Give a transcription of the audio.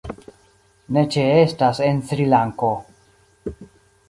Ne ĉeestas en Srilanko.